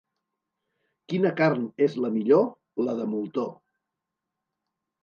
Quina carn és la millor? La de moltó.